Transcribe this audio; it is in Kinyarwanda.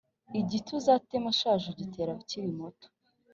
Igiti uzatema ushaje ;ugitera ukiri muto